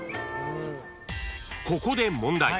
［ここで問題。